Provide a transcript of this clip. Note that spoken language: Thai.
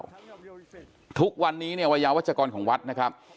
เขาหรือเปล่าทุกวันนี้เนี่ยวัยยาวัชกรของวัดนะครับ